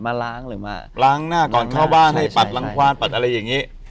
ล้างหรือมาล้างหน้าก่อนเข้าบ้านให้ปัดรังควานปัดอะไรอย่างนี้